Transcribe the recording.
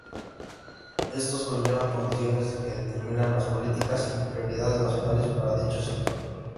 Estos conllevan condiciones que determinan las políticas y prioridades nacionales para dicho sector.